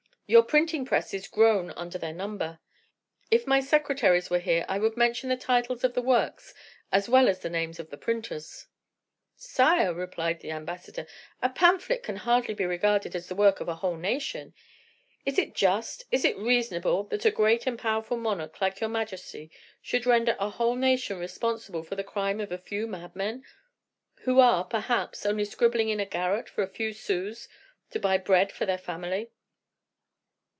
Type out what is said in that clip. your printing presses groan under their number. If my secretaries were here, I would mention the titles of the works as well as the names of the printers." "Sire," replied the ambassador, "a pamphlet can hardly be regarded as the work of a whole nation. Is it just, is it reasonable, that a great and powerful monarch like your majesty should render a whole nation responsible for the crime of a few madmen, who are, perhaps, only scribbling in a garret for a few sous to buy bread for their family?"